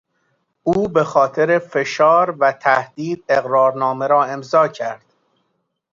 او به خاطر فشار و تهدید اقرارنامه را امضا کرد.